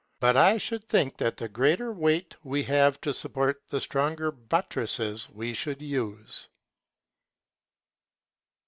But I should think that the greater weight we have to support, the stronger buttresses we should use.